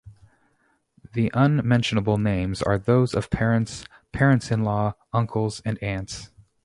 The unmentionable names are those of parents, parents-in-law, uncles, and aunts.